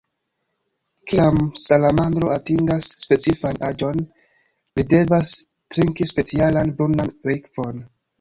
Kiam salamandro atingas specifan aĝon, ri devas trinki specialan brunan likvon.